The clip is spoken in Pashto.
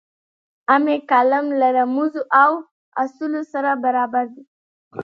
هم یې کالم له رموزو او اصولو سره برابر دی.